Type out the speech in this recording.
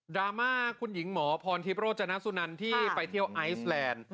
รามาคุณหญิงหมอพรทิพย์โรจนสุนันที่ไปเที่ยวไอซแลนด์